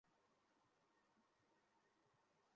কাজেই তুমি ফেরত যাও, আরো দশটি রোযা রাখ এবং তারপর আস।